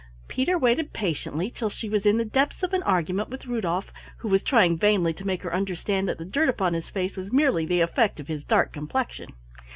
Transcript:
Peter waited patiently till she was in the depths of an argument with Rudolf who was trying vainly to make her understand that the dirt upon his face was merely the effect of his dark complexion.